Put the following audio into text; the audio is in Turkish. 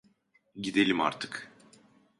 Gidelim artık!